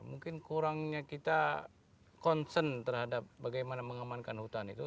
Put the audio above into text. mungkin kurangnya kita concern terhadap bagaimana mengamankan hutan itu